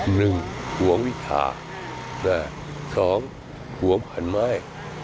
หนึ่งห่วงวิทยาและสองห่วงพันธุ์ไม้